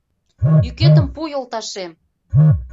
Йӱкетым пу, йолташем!